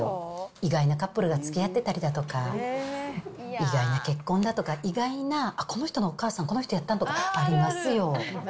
意外なカップルがつきあってたりだとか、意外な結婚だとか、意外な、あっ、この人のお母さん、この人やったんとかありますよ。